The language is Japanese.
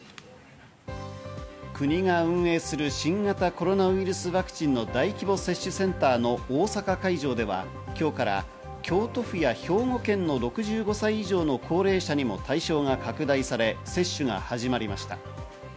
国が運営する、新型コロナウイルスワクチンの大規模接種センターの大阪会場では、今日から京都府や兵庫県の６５歳以上の高齢者にも対象が拡大され、接種が始まりました。